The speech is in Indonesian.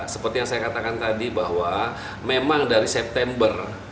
seperti yang saya katakan tadi bahwa memang dari september